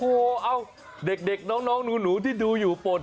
โอ้โหเอาเด็กน้องหนูที่ดูอยู่ป่น